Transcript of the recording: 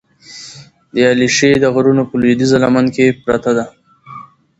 د علیشې د غرونو په لودیځه لمن کې پرته ده،